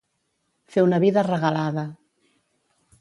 Fer una vida regalada.